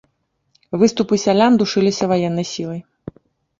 Выступы сялян душыліся ваеннай сілай.